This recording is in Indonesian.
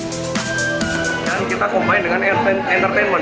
dan kita combine dengan entertainment